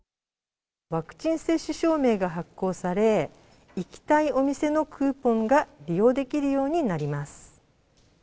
ワクチン接種証明が発行され、行きたいお店のクーポンが利用できるようになります。